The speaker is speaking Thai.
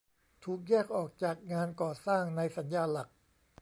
ถูกแยกออกจากงานก่อสร้างในสัญญาหลัก